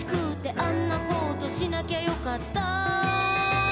「あんなことしなきゃよかったな」